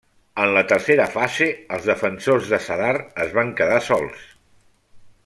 En la tercera fase, els defensors de Zadar es van quedar sols.